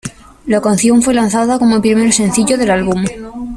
La canción fue lanzada como primer sencillo del álbum.